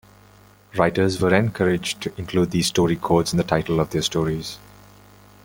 Writers were encouraged to include these story codes in the title of their stories.